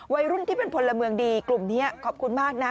วัยรุ่นที่เป็นพลเมืองดีกลุ่มนี้ขอบคุณมากนะ